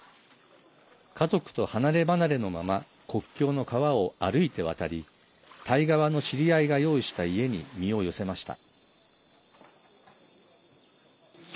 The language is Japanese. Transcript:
家族と離れ離れのまま国境の川を歩いて渡りタイ側の知り合いが用意した家に身を寄せました。